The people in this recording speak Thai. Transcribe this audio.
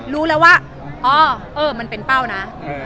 รู้แล้วว่าอ๋อเออมันเป็นเป้านะ